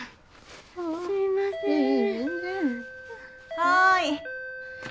はい。